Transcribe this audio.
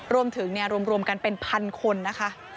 รวมถึงรวมกันเป็นพันคนนะคะ